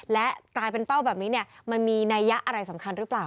และกลายเป็นเป้าแบบนี้มันมีนัยยะอะไรสำคัญหรือเปล่า